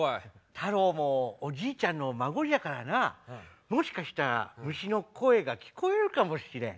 たろうもおじいちゃんの孫じゃからなもしかしたら虫の声が聞こえるかもしれん。